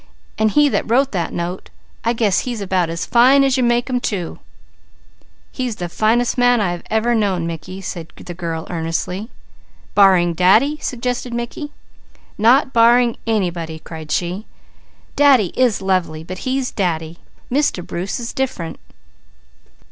And he that wrote the note, I guess he's about as fine as you make them, too!" "He's the finest man I ever have known, Mickey!" said the girl earnestly. "Barring Daddy?" suggested Mickey. "Not barring anybody!" cried she. "Daddy is lovely, but he's Daddy! Mr. Bruce is different!"